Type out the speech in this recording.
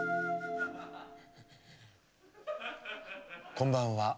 こんばんは。